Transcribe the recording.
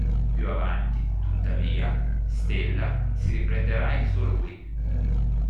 Più avanti, tuttavia, Stella si riprenderà il suo lui.